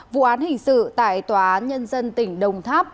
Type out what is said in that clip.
vụ án hình sự tại tòa án nhân dân tỉnh đồng tháp